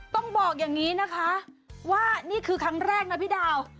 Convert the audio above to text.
ต้องบอกอย่างนี้นะคะว่านี่คือครั้งแรกนะพี่ดาว